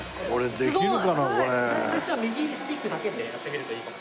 最初は右スティックだけでやってみるといいかも。